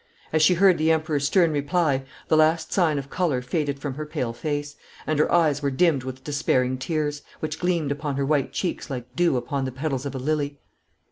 As she heard the Emperor's stern reply the last sign of colour faded from her pale face, and her eyes were dimmed with despairing tears, which gleamed upon her white cheeks like dew upon the petals of a lily.